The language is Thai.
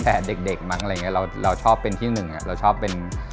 ชอบอันไหนกว่าก็บอกไม่ได้เหมือนกัน